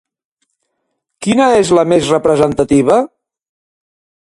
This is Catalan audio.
Quina és la més representativa?